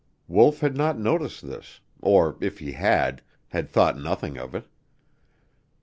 Wolf had not noticed this, or, if he had, had thought nothing of it.